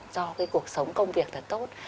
do cái cuộc sống công việc thật tốt